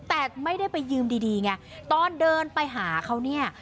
แต่ไม่ได้ไปยืมดีไงตอนเดินไปหาเขาเนี่ย